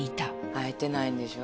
会えてないんでしょ？